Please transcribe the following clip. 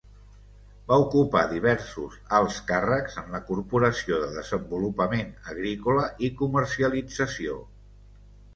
Va ocupar diversos alts càrrecs en la Corporació de Desenvolupament Agrícola i Comercialització.